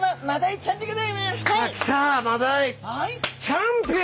チャンピオン！